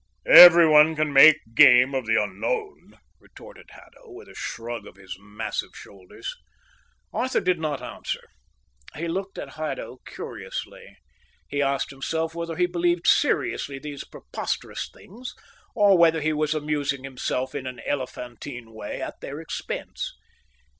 "Everyone can make game of the unknown," retorted Haddo, with a shrug of his massive shoulders. Arthur did not answer. He looked at Haddo curiously. He asked himself whether he believed seriously these preposterous things, or whether he was amusing himself in an elephantine way at their expense.